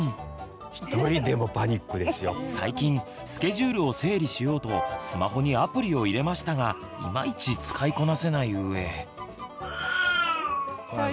最近スケジュールを整理しようとスマホにアプリを入れましたがいまいち使いこなせない上。